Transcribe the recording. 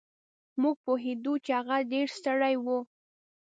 مونږ پوهېدو چې هغه ډېر ستړی و.